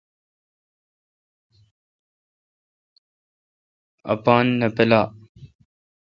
اپان نہ پُالا۔